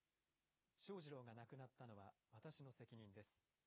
翔士郎が亡くなったのは私の責任です。